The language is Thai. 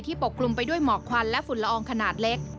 ปกกลุ่มไปด้วยหมอกควันและฝุ่นละอองขนาดเล็ก